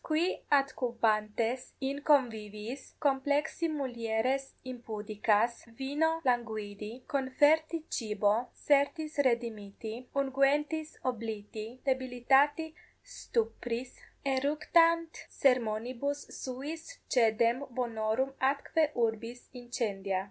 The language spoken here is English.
qui adcubantes in conviviis, complexi mulieres impudicas, vino languidi, conferti cibo, sertis redimiti, unguentis obliti, debilitati stupris eructant sermonibus suis caedem bonorum atque urbis incendia.